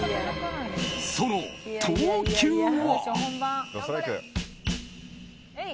その投球は。